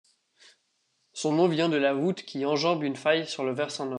Son nom vient de la voûte qui enjambe une faille sur le versant nord.